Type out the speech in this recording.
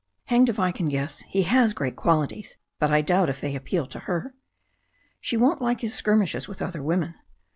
''Hanged if I can guess. He has great qualities, but I doubt if they appeal to her." "She won't like his skirmishes with other women."